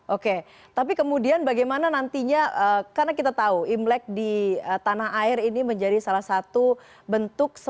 oke tapi kemudian bagaimana nantinya karena kita tahu imlek di tanah air ini menjadi salah satu bentuk